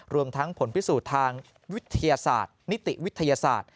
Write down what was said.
รวมทั้งผลพิสูจน์ทางวิทยาศาสตร์นิติวิทยาศาสตร์